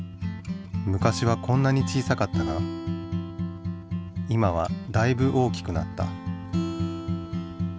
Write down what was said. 昔はこんなに小さかったが今はだいぶ大きくなった。